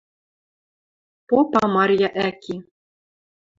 Попа Марья ӓки.